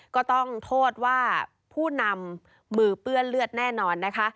ก็ต้องโทษว่าผู้นำมือเปื้อนเลือดแน่นอนนะคะ